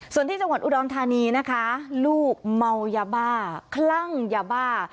ส่วนที่จังหวัดอุดรธานีนะคะลูกเมายาบ้าคลั่งยาบ้า